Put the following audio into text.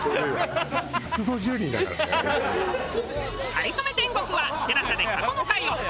『かりそめ天国』はＴＥＬＡＳＡで過去の回を配信中。